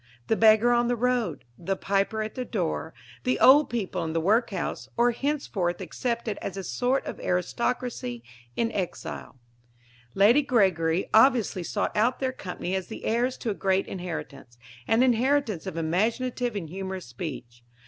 The beggar on the road, the piper at the door, the old people in the workhouse, are henceforth accepted as a sort of aristocracy in exile. Lady Gregory obviously sought out their company as the heirs to a great inheritance an inheritance of imaginative and humorous speech.